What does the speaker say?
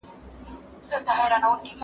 ایا تاسې لارې چارې برابروئ؟